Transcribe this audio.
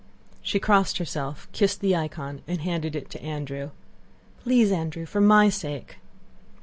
She crossed herself, kissed the icon, and handed it to Andrew. "Please, Andrew, for my sake!..."